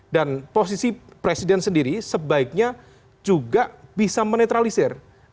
dan posisi presiden sendiri sebaiknya juga bisa menetralisir